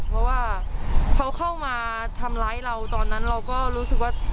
เพราะว่าเขาเข้ามาทำร้ายเราตอนนั้นเราก็รู้สึกว่า